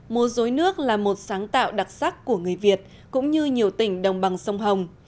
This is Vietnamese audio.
múa dối nước là một sáng tạo đặc sắc của người việt cũng như nhiều tỉnh đồng bằng sông hồng